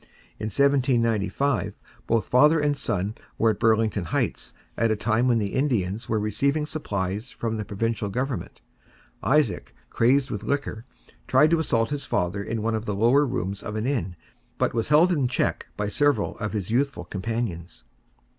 In 1795 both father and son were at Burlington Heights, at a time when the Indians were receiving supplies from the provincial government. Isaac, crazed with liquor, tried to assault his father in one of the lower rooms of an inn, but he was held in check by several of his youthful companions.